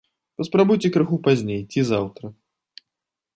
Паспрабуйце крыху пазней ці заўтра.